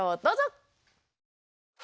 どうぞ！